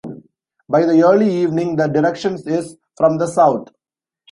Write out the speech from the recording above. By the early evening, the direction is from the south.